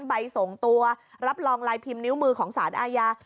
ใบส่งตัวรับรองลายพิมพ์นิ้วมือของสารอาญา